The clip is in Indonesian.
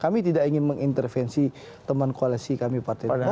kami tidak ingin mengintervensi teman koalisi kami partai demokrat